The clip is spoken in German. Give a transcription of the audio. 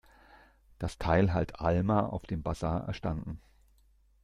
Das Teil hat Alma auf dem Basar erstanden.